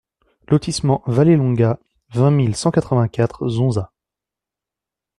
Lotissement Valle Longa, vingt mille cent vingt-quatre Zonza